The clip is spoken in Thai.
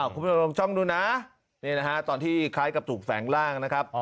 คุณผู้ชมลองดูนะตอนที่คล้ายกับถูกแสงร่างนะครับ